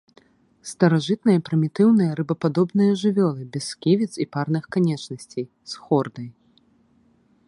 Старажытныя прымітыўныя рыбападобныя жывёлы без сківіц і парных канечнасцей, з хордай.